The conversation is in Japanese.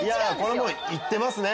これはもういってますね。